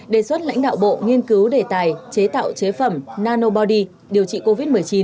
đề xuất lãnh đạo bộ nghiên cứu đề tài chế tạo chế phẩm nanody điều trị covid một mươi chín